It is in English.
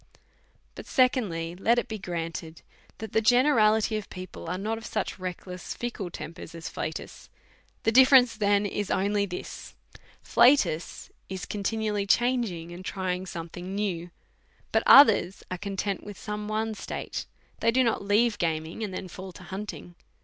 But, secondly, let it be granted that the generality of people are not of such restless, fickle tempers as Flatus ; the difterence then is only this. Flatus is con tinually changing and trying something new, but DEVOUT AND HOLY LIFE. 139 Others are content with some one state ; they do not leave gaming, and then fall to hunting.